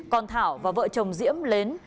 còn thảo và vợ chồng diễm lến